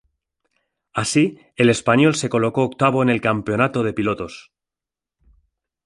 Así, el español se colocó octavo en el campeonato de pilotos.